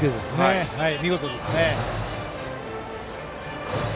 見事ですね。